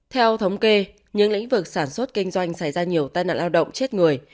theo thống kê những lĩnh vực sản xuất kinh doanh xảy ra nhiều tai nạn lao động chết người